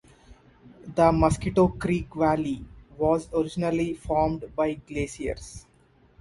The Mosquito Creek Valley was originally formed by glaciers.